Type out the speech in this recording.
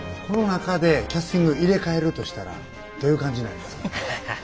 この中でキャスティング入れ替えるとしたらどういう感じになりますか？